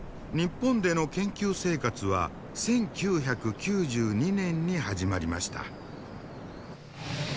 日本での研究生活は１９９２年に始まりました。